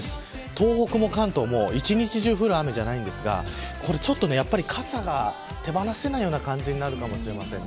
東北も関東も一日中降る雨じゃないんですが傘が手放せないような感じになるかもしれません。